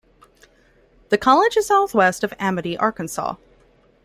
The college is southwest of Amity, Arkansas.